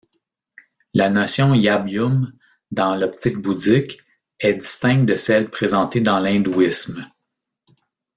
La notion yab-yum dans l'optique bouddhique est distincte de celle présentée dans l'hindouisme.